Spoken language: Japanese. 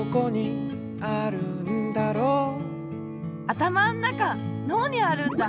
あたまのなかのうにあるんだ。